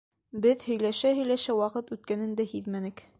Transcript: ...Беҙ һөйләшә-һөйләшә ваҡыт үткәнен дә һиҙмәнек.